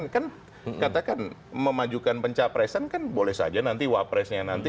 kan katakan memajukan pencapresan kan boleh saja nanti wapresnya nanti